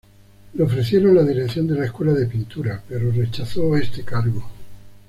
Le ofrecieron la dirección de la Escuela de Pintura, pero rechazó este cargo.